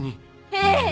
ええ！